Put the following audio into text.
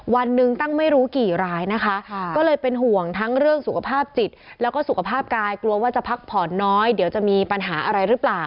วันหนึ่งตั้งไม่รู้กี่รายนะคะก็เลยเป็นห่วงทั้งเรื่องสุขภาพจิตแล้วก็สุขภาพกายกลัวว่าจะพักผ่อนน้อยเดี๋ยวจะมีปัญหาอะไรหรือเปล่า